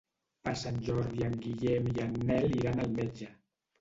Per Sant Jordi en Guillem i en Nel iran al metge.